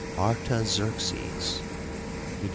Artaxerxes (Eg.